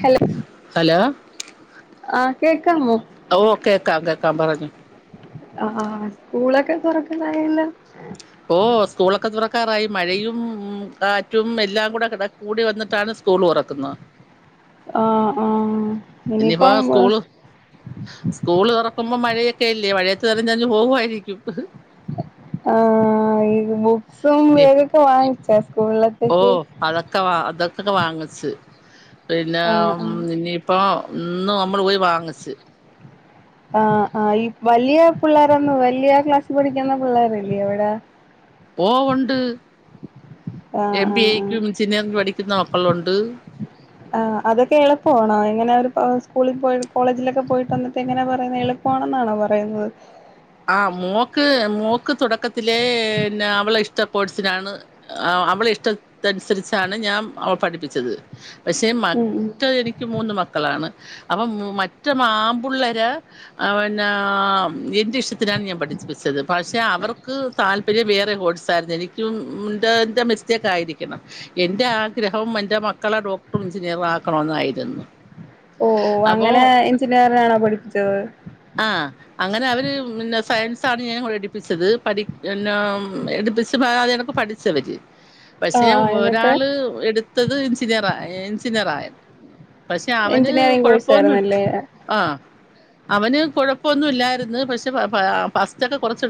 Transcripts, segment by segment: Hello hello ആഹ് കേക്കാമോ ഓ കേക്കാം കേക്കാം പറഞ്ഞോ അഹ് ആഹ് സ്കൂളൊക്കെ തുറക്കാനായല്ലോ ഓഹ് സ്കൂളൊക്കെ തുറക്കാറായി മഴയും കാറ്റും എല്ലാം കൂടെ കട കൂടി വന്നിട്ട് ട്ടാണ് സ്കൂള് തുറക്കുന്നത് ആഹ് ആഹ് ഇനിയിപ്പോ സ്കൂള് സ്കൂള് തുറക്കുമ്പോ മഴയൊക്കെല്ലേ മഴയത്ത് നനഞ്ഞ് നഞ്ഞ് പോകുമായിരിക്കും ആഹ് [unintelligible] ബുക്സും ഇനി വേഗൊക്കെ വാങ്ങിച്ച ഓ സ്കൂളിലത്തേക്ക് അതൊക്കെ വ അതൊക്കൊക്കെ വാങ്ങിച്ച് പിന്നെ ആ ആ ഇനി ഇപ്പോ ഇന്ന് നമ്മള് പോയി വാങ്ങിച്ച് ആഹ് ആഹ് ഈ വലിയ പിള്ളേരൊന്നു വലിയ ക്ലാസ്സിൽ പഠിക്കുന്ന പിള്ളേരില്ലേ അവിടെ ഓ ഒണ്ട് ആ എം ആ ആ ബി എ ക്കും ഞ്ചിനീയറിന് പഠിക്കുന്ന മക്കളുണ്ട് ആഹ് അതൊക്കെ എളുപ്പമാണോ എങ്ങനെ അവര് സ്കൂളിൽ പോയി കോളേജിലൊക്കെ പോയിട്ട് വന്നിട്ട് എങ്ങനെ പറയുന്ന് എളു പ്പാണ് എന്നാണോ പറയുന്നത് ആഹ് മോക്ക് മോക്ക് തുടക്കത്തിലേന്നെ അവളെ ഇഷ്ട കോഴ്സിനാണ് ആഹ് അവളെ ഇഷ്ടത്തനുസരിച്ചാണ് ഞാൻ അവളെ പഠിപ്പിച്ചത് പക്ഷേ ഉം മറ്റ് ഉം എനിക്ക് മൂന്ന് മക്കളാണ് അപ്പം മറ്റ ആമ്പുള്ളേരെ പിന്ന ആം എന്റെ ഇഷ് ത്തിനാണ് ഞാൻ പഠിപ്പിച്ചത് പക്ഷെ അവർക്ക് താല്പര്യം വേറെ കോഴ്സായിരുന്നു എനിക്കും എ എന്റെ മിസ്- സ്‌റ്റൈക്കായിരിക്കണം എൻ്റെ ആഗ്രഹം എന്റെ മക്കളെ ഡോക്ടറും എഞ്ചിനീയറും ആക്കണന്നായിരുന്നു ഓഹ് അങ്ങനെ എഞ്ചിനീയറിനാണോ പഠിപ്പിച്ചത് ആഹ് അങ്ങനെ അവര് പിന്നെ സയൻസാണ് ഞാൻ എടുപ്പിച്ചത് പടി പിന്നെ എടുപ്പിച്ചു അതെകണക്ക്- പഠിച്ചവര് ആ പക്ഷെ ആ, എന്നിട്ട് ഒരാള് എടുത്തത് എഞ്ചിനീയറ എഞ്ചിനീയറായ പക്ഷെ അവന് എഞ്ചിനീയറിംഗ് കോഴ്സ് കൊഴപ്പൊന്നുല്ലാ ആയിരുന്നല്ലേ ആഹ് അവന് കൊഴപ്പൊന്നുമില്ലായിരുന്നു പക്ഷെ ഫസ്റ്റ് ഒക്കെ കുറച്ച്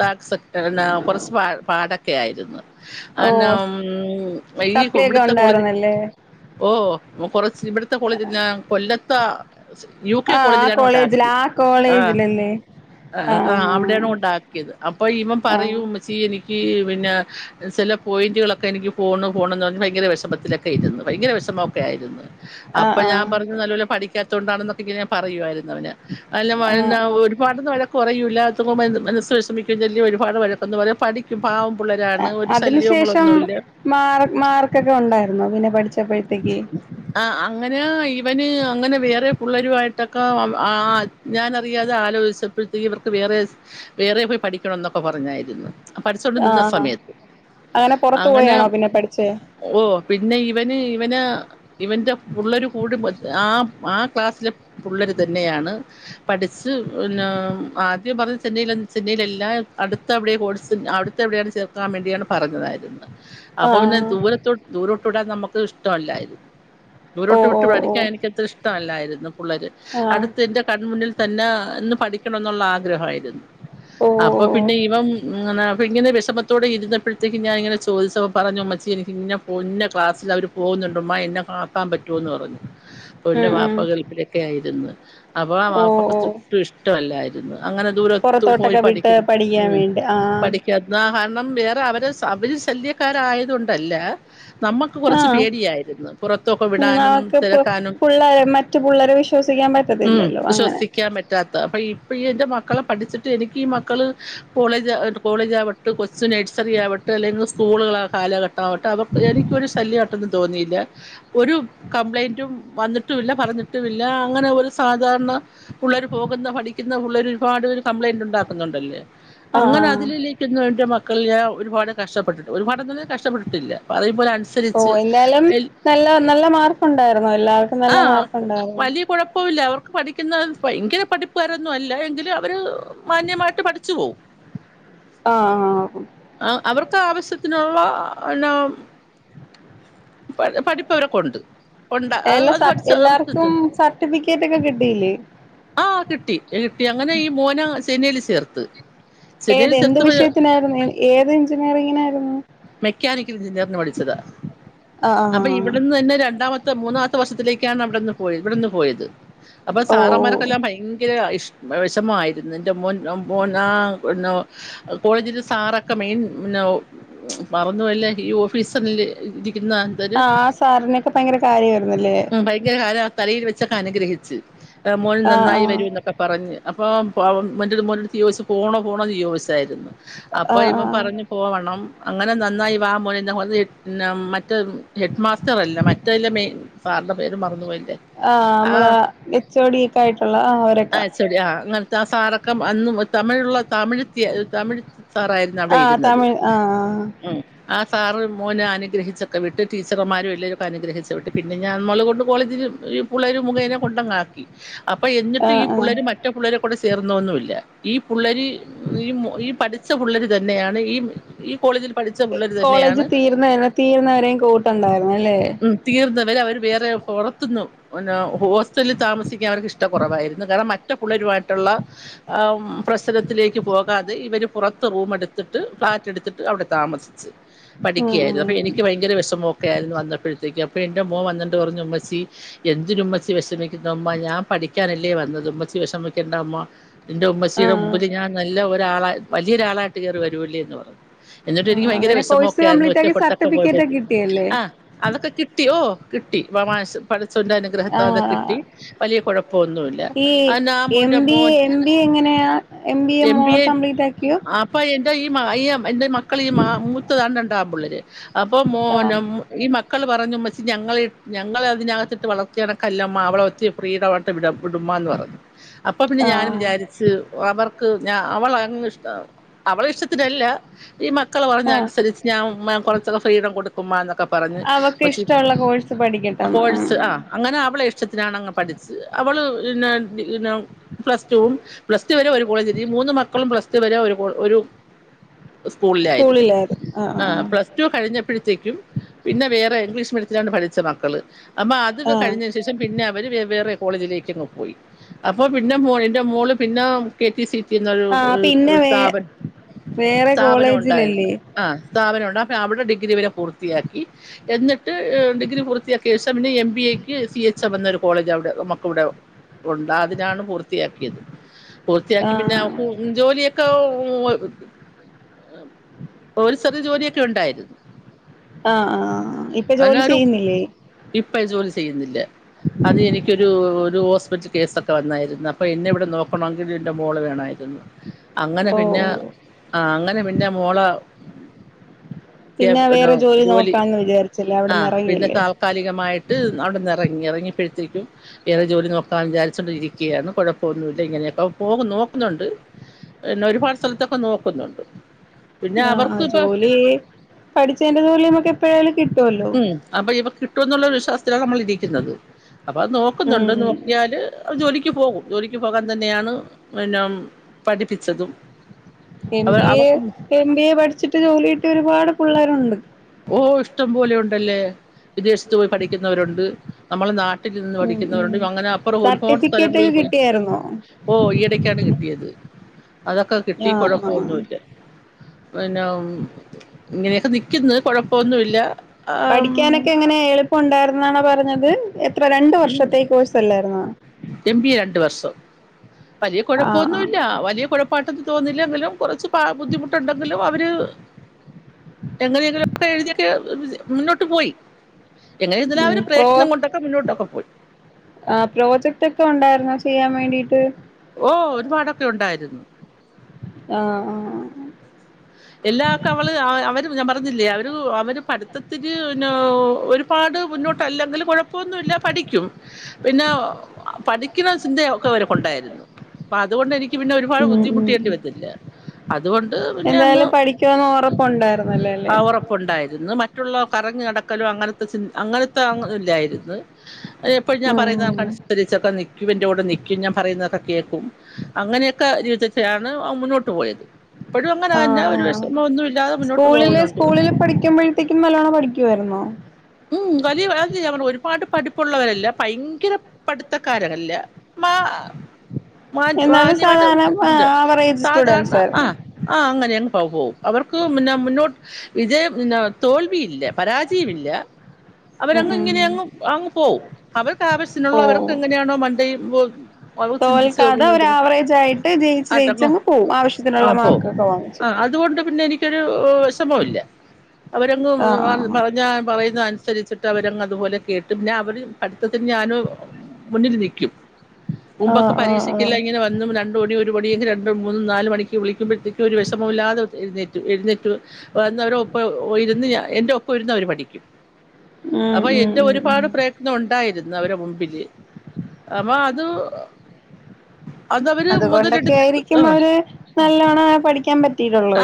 ടാപ്സ് [unintelligible] കൊറച്ച് പാടൊക്കെ ആയിരുന്ന്- ഓ ആന്ന ഉം സപ്ലി ഒക്കെ ഇവിടുത്ത കോളേജി ഉണ്ടായിരുന്നല്ലേ ഓ കൊറച്ച് ഇവിടത്തെ കോളേജന്ന കൊല്ലത്ത യു കെ ആ ആ കോളേജിലാണ് ഉണ്ടാ കോളേജിൽ ആ ആഹ് കോളേജിലല്ലേ ആഹ് ആഹ് അവിടെയാണ് കൊണ്ടാക്കി അപ്പൊ ഇവൻ ആഹ് പറയും ഉമ്മച്ചി എനിക്ക് പിന്നെ ചില പോയിന്റിളൊക്കെ ഒക്കെ എനിക്ക് ഫോണ് ഫോണ് എന്ന് പറഞ്ഞാൽ ഭയങ്കര വിഷമത്തിലൊക്കെയിരുന്നു ഭയങ്കര വിഷമൊക്കെ ആയിരുന്നു. ആഹ് അപ്പൊ ഞാൻ ആഹ് പറഞ്ഞു നല്ലപോലെ പഠിക്കാത്തുകൊണ്ടാണൊക്കെ ഇങ്ങനെ പറയുവായിരുന്നു അവന് അല്ല [unintelligible] ആഹ് വഴക്ക് പറയുല [unintelligible] മനസ്സ് വിഷമിക്കല്ല ഒരുപാട് വഴക്ക് എന്ന് പറയാ പഠിക്കും പാവം പിള്ളേരാണ് ആഹ് ഒരു അതിനു ശേഷം ശല്യങ്ങളൊന്നുമല്ല മാർ മാർക്കൊക്കെ ഉണ്ടായിരുന്നു പിന്നെ പഠിച്ചപ്പോഴത്തേക്ക്- ആഹ് അങ്ങനെ ഇവന് അങ്ങനെ വേറെ പള്ളരു ആയിട്ടൊക്ക ആഹ് ഞാനറിയാതെ ആലോചിച്ചപ്പോഴത്തേ ഇവർക്ക് വേറെ വേറെ പോയി പഠിക്കണം എന്നൊക്കെ പറഞ്ഞായിരുന്നു. പഠിച്ചോണ്ട് നിന്ന ആഹ് സമയത്ത് അങ്ങനെ പുറത്തു പോയാണോ അങ്ങന- പിന്നെ പഠിച്ചേ ഓ പിന്ന ഇവന് ഇവന ഇവൻ്റെ പുള്ളര് കൂടി ആഹ് ആഹ് ക്ലാസ്സിലെ പിള്ളര് തന്നെയാണ് പഠിച്ചു പിന്ന ആദ്യം പറഞ്ഞ ചെന്നൈ ചെന്നൈയില എല്ലാം അടുത്ത അവിടെ കോഴ്സ് അടു എവിടെയാണ് ചേർക്കാൻ വേണ്ടിയാണ് പറഞ്ഞതായിരുന്ന് അപ്പൊ പിന്നെ ആഹ് ദൂരത്തോ ദൂരോട്ട് ഇടാൻ നമുക്ക് ഇഷ്ടമല്ലായിരുന്നു. ഓ ദൂരോട്ട് ഓ വിട്ട് ഓ പഠിക്കാൻ എനിക്ക് അത്ര ഇഷ്ടമല്ലായിരുന്നു പുള്ളര് ആഹ് അടുത്ത് എന്റെ കണ്മുന്നിൽ തന്നെ നിന്ന് പഠിക്കണം എന്നുള്ള ആഗ്രഹമായിരുന്നു. ഓ അപ്പൊ ഓ പിന്നെ ഇവൻ ഇങ്ങനെ വിഷമത്തോടെ ഇരുന്നപ്പോഴത്തേക്ക് ഞാന ഇങ്ങനെ ചോദിച്ച പറഞ്ഞു അമ്മച്ചി എനിക്ക് പിന്നെ പൊൻ ക്ലാസ്സിൽ അവര് പോകുന്നുണ്ടമ്മ എനി ആക്കാൻ പറ്റൂന്ന് പറഞ്ഞു അപ്പൊ ഇവന്റെ ഉം ഉം വാപ്പ ഗൾഫില്- യായിരുന്ന് അപ്പോ ആഹ് ഓ ഓ വാപ്പക് ഇഷ്ടമല്ലായിരുന്ന് അങ്ങനെ- ദൂരത്തു പോയി പുറത്തോട്ടൊക്കെ വിട്ട് പഠിക്കണ് പഠിക്കാൻ ഉം വേണ്ടി ആഹ് പഠി കാരണം വേറെ അവരെ അവര് ശല്യക്കാരായത്കൊണ്ടല്ല നമ്മക്ക് കുറച്ച് ആഹ് പേടിയായിരുന്നു. പുറത്തൊക്കെ ഉം വിടാനും അവക്ക് പു തിരക്കാനും പുള്ളേരെ മറ്റു പുള്ളേരെ വിശ്വസിക്കാൻ ഉം പറ്റത്തില്ലല്ലോ അങ്ങനെ വിശ്വസിക്കാൻ പ പറ്റാത്ത അപ്പ ഇപ്പ ഈ എന്റെ മക്കളെ പഠിച്ചിട്ട് എനിക്ക് ഈ മക്കള് കോളേജ് കോളേജ് ആവ കൊച്ച് നഴ്സറി ആവട്ട് അല്ലെങ്കിൽ സ്കൂളുകള കാലഘട്ടം ആവട്ട് അവർക്ക് എനിക്കൊരുശല്യട്ടൊന്നും തോന്നിയില്ല- ഒരു കംപ്ലൈയിൻറ്റും വന്നിട്ടുമില്ല പറഞ്ഞിട്ടുമില്ല അങ്ങനെ ഒരു സാധാരണ പിള്ളേര് പോകുന്ന പഠിക്കുന്ന പിള്ളർ ഒരുപാട് പേര് കംപ്ലൈന്റ് ഉണ്ടാക്കുന്നുണ്ടല്ലേ ആഹ് അങ്ങനെ ആഹ് അതില ഇന്നും എന്റ മക്കള ഒരുപാട് കഷ്ടപ്പെട്ടിട്ട് ഒരുപാടൊന്നും കഷ്ടപ്പെട്ടിട്ടില്ലാ അതേപോലെ അനുസ അനുസരിച്ച് ഓഹ് എന്തായാലും എൽ നല്ല നല്ല മാർക്ക് ഉണ്ടായിരുന്നോ എല്ലാവർക്കും നല്ല മാർക്ക് ഉണ്ടായിരുന്നോ? കൊഴപ്പല്ല അവർക്ക് പഠിക്കുന്ന ഭയങ്കര പഠിപ്പുകാരൊന്നും അല്ല എങ്കിലും അവര് മാന്യമായിട്ട് പഠിച്ചു പോവും. ആഹ് ആഹ് ആഹ് അവർക്ക് ആവശ്യത്തിനുള്ള [unintelligible] പഠിപ്പവരൊക്കെ ഉണ്ട് ഉണ്ട എല്ലാ സർ എല്ലാർക്കും സർട്ടിഫിക്കറ്റ് ഒക്കെ കിട്ടില്ലേ? ആഹ് കിട്ടി എൽ എങ്ങനെ ഈ മോന ചെന്നൈയിൽ ചേർത്ത്. സെനേല് ഏത് എന്ത് ചേർത്തപ്പോ വിഷയത്തിനായിരുന്നു ഏത് എഞ്ചിനീയറിങ്ങിനായിരുന്നു? മെക്കാനിക്കൽ എഞ്ചിനീയറിന് പഠിച്ചതാ ആഹ് ആഹ് അപ്പ ആഹ് ഇവട്ന്ന് തന്നെ രണ്ടാമത്തെ മൂന്നാ വർഷത്തിലേക്കാണ് അവടെന്ന് പോയേ ഇവടെന്ന് പോയത് അപ്പ ഓഹ് ഓഹ് സാറന്മാർക്കെല്ലാം ഭയ ങ്കരഷ് വിഷമായിരുന്ന് ഇൻ്റെ മോൻ മോനാ ന്ന കോളേജിന്റെ സാറക്കെ മെയിൻ ന്ന പറന്ന പോല്ലേ ഈ ഓഫീസ് ഇരിക്കുന്ന എന്തര് ആഹ് സാറിനൊക്കെ ഭയങ്കര കാര്യായിരുന്നുല്ലേ? ഭയങ്കര കാലം ആഹ് തലയിൽ വെച്ചൊക്കെ അനുഗ്രഹിച്ച് മോൻ ആഹ് നന്നായി ആഹ് വരൂ എന്നൊക്കെ പറഞ്ഞ് അപ്പോ പ്പ മൻ്റ് മോനോട്ത്ത് ചോയിച്ച് പോണോ പോണോ ന്ന് ചോയിച്ചായിരുന്നു. അപ്പൊ ആഹ് ഇവ ആഹ് പറഞ്ഞു പോവണം അങ്ങനെ നന്നായി വാ മോനെ [unintelligible] മ റ്റ ഹെഡ് മാസ്റ്ററല്ല മറ്റല്ലാം മെയി സാറിൻ്റെ പേര് മറന്നുപോയില്ലേ. ആഹ് ആ മ്മള ഗച്ചോടീക്ക ആയിട്ടുള്ള ആഹ് അവരക്കെ ശര്യാ അങ്ങൻത്ത ആഹ് സാറക്കെ അന്നും തമിഴുള്ള തമിഴ്ത്തി തമിഴ് സാറായി നവിടെ ആഹ് ഇരുന്നത് തമിഴ് ആഹ് ഉം ആഹ് സാർ മോനെ അനുഗ്രഹിച്ചക്കെ വിട്ട് ടീച്ചർമാരും എള്ളേരും അനുഗ്രഹിച്ച് വിട്ട്. പിന്നെ ഞമ്മള് കൊണ്ട് കോളേജിൽ ഈ പുള്ളേർ മുഖേനെ കൊണ്ടങ്ങാക്കി അപ്പ എന്നിട്ട് ഈ ആഹ് ആഹ് പുള്ളേര് മ റ്റ പുള്ളേരേ കൂടെ ചേർന്നൊന്നുല്ല ഈ പുള്ളേര് ഈ ഈ പഠിച്ച പുള്ളേര് തന്നെയാണ് ഈ ഈ കോളേജിൽ പഠിച്ച പിള്ളേർ തന്നെയാണ് കോളേജ് തീർന്ന് എന്ന് തീർന്നവരെ കൂട്ട്ണ്ടായിരുന്നു അല്ലേ? തീർന്ന വര് അവര് വേറെ പൊറത്ത്ന്നും ഒന്നോ ഹോസ്റ്റല്ല് താമസിക്കാൻ അവർക്ക് ഇഷ്ട കൊറവായിരുന്നു. കാരണം മറ്റേ പുള്ളേരുമായിട്ടുള്ള ആം പ്രശ്നത്തിലേക്ക് പോകാതെ ഇവര് പുറത്ത് റൂമട്ത്ത്ട്ട് ഫ്ളാറ്റ് ട്ത്ത്ട്ട് അഒടെ താമസിച്ച്. ഉം പഠിക്ക്യായിരുന്നു അപ്പ ഉം എനിക്ക് ഭയങ്കര വെഷമൊക്കെയിരുന്നു വന്നപ്പോഴത്തേക്ക് അപ്പഴെ എന്റെ മോൻ വന്നിട്ട് പറഞ്ഞു ഉമ്മസ്സി എന്ത് നുമ്മഷി വെഷമിക്കുന്നാ ഉമ്മാ ഞാൻ പഠിക്കാനല്ലേ വന്നത് ഉമ്മഷി വെഷമിക്കേണ്ട അമ്മ എന്റെ ഉമ്മശിയുടെ ആഹ് മുമ്പിൽ ഞാൻ നല്ല ഒരാള വലിയൊരാളായിട്ട് കേറി വരൂല്ലേ എന്ന് പറഞ്ഞു. എന്നിട്ട് എനിക്ക് ആഹ് ഭയങ്കര അങ്ങനെ വിഷമൊക്കെ കോഴ്സ് ആയിരുന്നു കംപ്ലീറ്റ് ആക്കി ഒറ്റപ്പട്ടൊക്കെ സർട്ടിഫിക്കറ്റ് പോയപ്പോഴത്തേ ഒക്കെ കിട്ടിയല്ലേ ആഹ് അതൊക്കെ കിട്ടിയോ കിട്ടി വ മാഷ് പടച്ചോന്റെ അനുഗ്രഹത്തോ അത് കിട്ടി. ആഹ് വലിയ കുഴപ്പമൊന്നുമില്ല ഈ അന്നാ എം മോന്റെ ബി മോൻ എ എം ബി എ എങ്ങനെയ എം ബി എ മോള് കംപ്ലീറ്റ് ആ ക്കിയോ പ്പൊ എന്റെ ഈ മാ ഈയം എന്റെ മക്കള് ഈ മാ മൂത്ത തണ്ടണ്ടാ പുള്ളര് അപ്പൊ ആഹ് മോന് മ് ഈ മക്കൾ പറ റഞ്ഞു മ്മച്ചി ഞങ്ങളെ ഞങ്ങൾ അതിനകത്ത്ട്ട് വളർത്തിയതക്കല്ല അമ്മ അവളെ വച്ച് ഫ്രീഡായിട്ട് വിട വിടുമ്മാന്ന് പറഞ്ഞു. അപ്പൊ പിന്നെ ഞാനും ആഹ് വിചാരിച്ച് അവർക്ക് ഞ അവള് അങ്ങ് ഇഷ്ടം അവളെ ഇഷ്ടത്തിനല്ല ഈ മക്കള് പറഞ്ഞ ആഹ് അനുസരിച്ച് ഞാൻ മ്മ കുറച്ചൊക്കെ ഫ്രീഡം കൊടുക്കുമ്മാ ന്നൊക്കെ പറഞ്ഞ് അവക്ക് ഉമ്മച്ചി ഇഷ്ടമുള്ള കോഴ്സ് പഠിക്കട്ടെ ന്നാ കോഴ്സ് ആ അങ്ങനെ അവളെ ഇഷ്ടത്തിനാണങ്ങ് പഠിച്ച് അവള് ന്നെ ന്നെ പ്ലസ്ടുവും പ്ലസ് ടു വരെ ഒരു കോളേജ് ഈ മൂന്ന് മക്കളും പ്ലസ് ടു വരെ ഒരു കോ ഒരു സ്കൂളിലായിരുന്നു ആഹ് പ്ലസ് ടു കഴിഞ്ഞപ്പഴത്തേക്കും പിന്നെ വേറെ ഇംഗ്ലീഷ് മീഡിയത്തിലാണ് പഠിച്ച മക്കൾ അമ്മാ അത് ആഹ് കഴിഞ്ഞേന് ശേഷം പിന്നെ അവര് വേ വേറെ കോളേജിലേക്കങ്ങ് പോയി. അപ്പൊ പിന്നെ മോൾ ഇന്റെ മോള് പിന്നെ കെ ടി സി റ്റി എന്നൊരു ആഹ് ഒരു പിന്നെ ഒരു വേ സ്ഥാപനം വേറെ സ്ഥാപനം ഉണ്ടായിരുന്ന്. കോളേജിലല്ലേ ആഹ് സ്ഥാപനം ഉണ്ട് അപ്പ അവടെ ഡിഗ്രി വരെ പൂർത്തിയാക്കി. എന്ന്ട്ട് ഡിഗ്രി പൂർത്തിയാക്കേശം പിന്നെ എം ബി എക്ക് സി എച്ച് എം എന്നൊരു കോളേജ് ഒടെ മക്കളുടെ ഉണ്ടാതിനാണ് പൂർത്തിയാക്കിയത്. പൂർത്തിയാക്കി പിന്നെ ആഹ് ജോലിയൊക്കെ ഒരു സ്റ ജോലിയൊക്കെ ഉണ്ടായിരുന്നു ആഹ് ആഹ അതിനാരും ഇപ്പ ജോലി ചെയ്യുന്നില്ല അത് എനിക്കൊരു ഒരു ഹോസ്പിറ്റൽ കേസൊക്കെ വന്നായിരുന്നു അപ്പൊ എന്നെ ഇവിടെ നോക്കണെങ്കിൽ ന്റെ മോള് വേണായിരുന്നു അങ്ങനെ ഓഹ് പിന്നെ ഓഹ് ആ അങ്ങനെ പിന്നെ മോള പിന്നെ വേറെ ജോലി നോക്കാന്ന് വിചാരിച്ചു ആ പിന്നെ താൽക്കാലികമായിട്ട് അവിടെ നിറങ്ങി ഇറങ്ങിപ്പോഴ്ത്തരിക്കും വേറെ ജോലി നോക്കാൻ വിചാരിച്ചോൊണ്ടിരിക്കുകയാണ് കുഴപ്പമൊന്നുമില്ല ഇങ്ങനെയൊക്കെ പോകും നോക്കുന്നുണ്ട് പിന്നെ ഒരുപാട് സ്ഥലത്തൊക്കെ നോക്കുന്നുണ്ട് പിന്നെ ആഹ് അവർക്ക് ഇപ്പ ജോലി പഠിച്ചതിന്റെ ജോലി നമുക്ക് എപ്പോഴോലും കിട്ടുവല്ലോ ഉം അപ്പൊ ഇവ കിട്ടും എന്നുള്ളരു വിശ്വാസത്തിലാണ് നമ്മളിരിക്കുന്നത് അപ്പൊ അത് ഉം നോക്കുന്നുണ്ട് ഉം നോക്കിയാല് ജോലിക്ക് പോകും ജോലിക്ക് പോകാൻ തന്നെയാണ് പിന്നെ പഠിപ്പിച്ചതും എം അവ ബി എ അവർക്ക് എം ബി എ പഠിച്ചിട്ട് ജോലി കിട്ടിയ ഒരുപാട് പിള്ളേരുണ്ട് ഓ ഇഷ്ടം പോലെ ഉണ്ടല്ലേ വിദേശത്ത് പോയി പഠിക്കുന്നവരുണ്ട് നമ്മള നാട്ടിൽ നിന്ന് ഉം ഉം പഠിക്കുന്നവരുണ്ട് അങ്ങനെ അപ്പറം ഒരുപാട് സർട്ടിഫിക്കറ്റ് സ്ഥലങ്ങളിൽ ഒക്കെ പോയി കിട്ടിയായിരുന്നോ ഓ ഈയിടക്കാണ് കിട്ടിയത് അതൊക്കെ കിട്ടി ആഹ് ആഹ് കുഴപ്പൊന്നുമില്ല പിന്നെ ഇങ്ങനെയൊക്കെ നിക്കുന്നു കൊഴപ്പൊന്നുമല്ല പഠിക്കാനൊക്കെ എങ്ങനെ എളുപ്പം ഉണ്ടായിരുന്നാണോ പറഞ്ഞത് എത്ര രണ്ട വർഷത്തെേ കോഴ്സ്ല്ലായിരുന്ന എം ബി എ രണ്ട് വർഷം വലിയ ആഹ് ആഹ് കുഴപ്പമൊന്നുമല്ല വലിയ കുഴപ്പാട്ടൊന്നും തോന്നുന്നില്ലെങ്കിലും കുറച്ച് ബുദ്ധിമുട്ടുണ്ടെങ്കിലും അവര് [inaudible] എങ്ങനെയെങ്കിലും ഒക്കെ എഴുതിയൊക്കെ മുന്നോട്ട് പോയി എങ്ങനെങ്കും ഉം ഒരു പ്രയത്നം കൊണ്ടൊക്കെ മുന്നോട്ടൊക്കെ പോയി ആഹ് പ്രോജക്റ്റ് ഒക്കെ ഉണ്ടായിരുന്നോ ചെയ്യാൻ വേണ്ടീട്ട് ഓ ഒരുപാടൊക്കെ ഉണ്ടായിരുന്നു ആഹ് ആ എല്ലാവർക്കും അവള് അവര് ഞാൻ പറഞ്ഞില്ലേ അവര് അവര് പഠിത്തത്തിന്ന ഒരു പാട് മുന്നോട്ട് അല്ലെങ്കിൽ കുഴപ്പമൊന്നുമില്ല പഠിക്കും പിന്നെ പഠിക്കുന്ന ചിന്തയ ഒക്കെ അവർക്ക ഉണ്ടായിരുന്നു അപ്പൊ അതുകൊണ്ട് എനിക്ക് പിന്നെ ഒരുപാട് ഉം ഉം ബുദ്ധിമുട്ടിയേണ്ടി ഉം വന്നില്ല അതുകൊണ്ട് പിന്നെ അങ്ങ് എന്തായാലും പഠിക്കുവെന്ന് ഉറപ്പുണ്ടായിരുന്നല്ലേ അല്ലേ ഉണ്ടായിരുന്നു മറ്റുള്ള കറഞ്ഞ കിക്കലോ അങ്ങനത്തെ അങ്ങനത്തെ അല്ലായിരുന്നു ഇപ്പോഴ ഞാൻ ഉം പറുന്നതക്കനുരിച്ചക്ക നിക്ക് ക്യൂവിൻ്റ കൂടെ നിൽക്കും ഞാൻ പറയുന്നതൊക്കെ കേൾക്കും അങ്ങനെയൊക്കെ രീതത്തിലാണ് മുന്നോട്ട് പോയത് ഇപ്പോഴും ആ അങ്ങനന്ന ഒരു ആ വിഷമ ഒന്നും സ്കൂളില് സ്കൂളില് പഠിക്കുമ്പോഴത്തേക്കും നല്ലവോണം പഠിക്കുവായിരുന്നോ ഉം വലിയ അ ഒരുപാട് പഠിപ്പുള്ളവരല്ല ഭയങ്കര പഠിത്തക്കാരല്ല എന്നാലും സാധാരണ മാന്യമായിട്ടംണ്ട് ആവറേജ് സാധാരണ സ്റ്റുഡൻസ് ആയിരുന്നു ആഹ് ആഹ് അങ്ങനെ അങ് പോ പോവും അവർക്ക് പിന്നെ മുന്നോട്ട് വിജയം തോൽവിയില്ല പരാജയമില്ല ഉം അവരങ്ങ് ഉം ഇങ്ങനെ അങ്ങ് അങ്ങ് പോവും അവർക്ക് ആവശ്യത്തിനുള്ള ഓ അവർക്ക് എങ്ങനെയാണോ മണ്ട തോൽക്കാതെ ഒരു ആവറേജ് ആയിട്ട് ജയിച്ച് ആട്ടങ്ങോ ജയിച്ചങ്ങ് പോകവും ആവശ്യത്തിനുള്ള മാർക്കൊക്കെ വങ്ങ ആഹ് അതുകൊണ്ട് പിന്നെ എനിക്കൊരു വിഷമവും ഇല്ല അവരങ്ങും ആ പറഞ്ഞാ പറയുന്ന അവസരിച്ചിട്ട് അവരങ് അതുപോലെ കേട്ട് പിന്ന അവര് പഠിത്തത്തിന് ഞാനും മുന്നിൽ നിൽക്കും ആ മുമ്പൊക്കെ ആ ആ ആ പരീക്ഷിക്കില്ല ഇങ്ങനെ എന്നന്നും രണ്ടു മടി ഒരു പടിിയെങ്കിൽ രണ്ടും മൂന്നും നാല് മണിക്ക് വിളിക്കുമ്പോഴത്തേും ഒരു വിഷമ ഇല്ലാതെ എഴുന്നേറ്റു എഴുന്നേറ്റു വന്നവര ഒപ്പ ഇരുന്ന് എന്റെ ഒപ്പം ഇരുന്ന്വര് പഠിക്കും ഉം അപ്പൊ ഉം എന്റെ ഉം ഉം ഒരുപാട് പ്രയത്നം ഉണ്ടായിരുന്നു അവരെ മുമ്പില് അപ്പൊ അത് അതവര് അതുകൊണ്ടൊക്കെ മുതലെടുത്ത് ആയിരിക്കും ആ അവര് നല്ലവണം പഠിക്കാൻ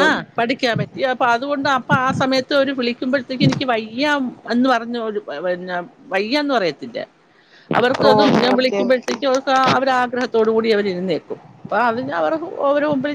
ആ പഠിക്കാൻ പറ്റി അപ്പൊ അതുകൊണ്ട് അപ്പൊ ആ സമയത്ത് അവര് വിളിക്കുമ്പോഴത്തേക്ക് എനിക്ക് വയ്യ എന്ന് പറഞ്ഞ വയ്യന്ന് പറയത്തില്ല അവർക്ക് ഓ അത്ും ഞാൻ ഓക്കെ ഓക്കെ വിളിക്കുമ്പോഴത്തേക്ക്. അവര് ആഗ്രഹത്തോട കൂടി അവർരുന്നേക്കും അപ്പ അവരെ അവരെ മുമ്പില്.